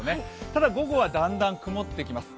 ただ、午後はだんだん曇ってきます